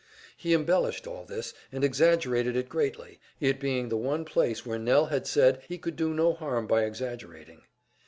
He embellished all this, and exaggerated it greatly it being the one place where Nell had said he could do no harm by exaggerating.